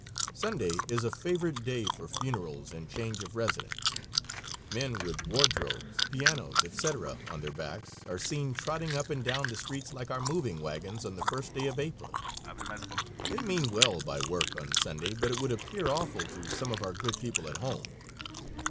Sunday is a favorite day for funerals and change of residence. Men with wardrobes, pianos, etc., on their backs are seen trotting up and down the streets like our moving wagons on the first day of April. They mean well by work on Sunday, but it would appear awful to some of our good people at home.